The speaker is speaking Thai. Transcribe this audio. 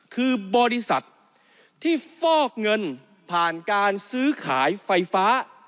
คือบริษัทที่ฟอกเงินผ่านการซื้อขายไฟฟ้า